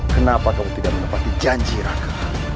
kenapa kamu tidak mendapati janji raka